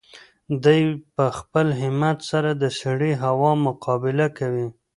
دی په خپل همت سره د سړې هوا مقابله کوي.